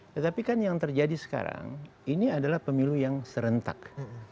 tetapi kan yang terjadi sekarang ini adalah pemilu yang serentak